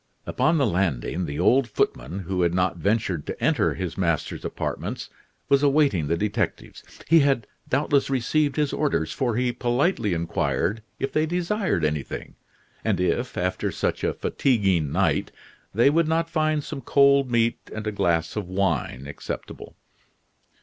Upon the landing the old footman, who had not ventured to enter his master's apartments, was awaiting the detectives. He had doubtless received his orders, for he politely inquired if they desired anything, and if, after such a fatiguing night, they would not find some cold meat and a glass of wine acceptable.